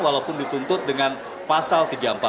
walaupun dituntut dengan pasal tiga ratus empat puluh